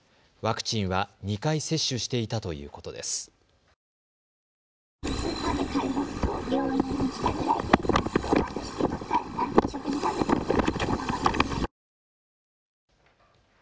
ワクチンは２回接種していたということです。